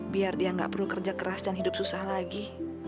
biar dia nggak perlu kerja keras dan hidup susah lagi